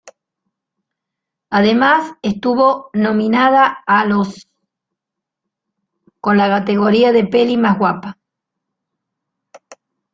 Además estuvo nominada a los con la categoría de Peli más guapa.